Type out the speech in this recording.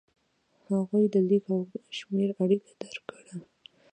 هغوی د لیک او شمېر اړیکه درک کړه.